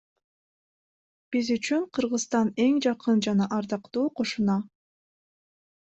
Биз үчүн Кыргызстан эң жакын жана ардактуу кошуна.